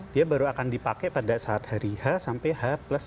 dia baru akan dipakai pada saat hari h sampai h plus